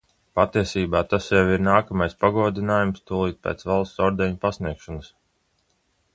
Patiesībā tas jau ir nākamais pagodinājums tūlīt pēc valsts ordeņa pasniegšanas.